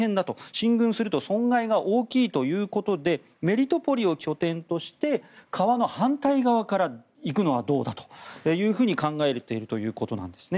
進軍すると損害が大きいということでメリトポリを拠点として川の反対側から行くのはどうだというふうに考えられているということなんですね。